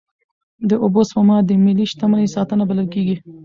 د اوبو سپما د ملي شتمنۍ ساتنه بلل کېږي.